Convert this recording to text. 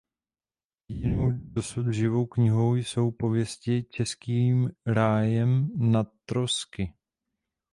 Jedinou dosud živou knihou jsou pověsti "Českým rájem na Trosky".